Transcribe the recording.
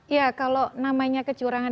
ya kalau namanya kecurangan